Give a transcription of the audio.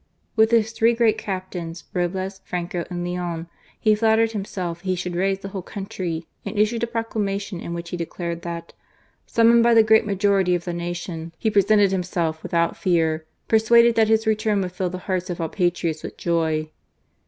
With his three great captains, Roblez, Franco, and Leon, he flattered himself he should raise the whole country, and issued a proclamation in which he declared that " summoned by the great majority of the nation, he presented himself without fear, persuaded that his return would fill the hearts of all patriots with joy."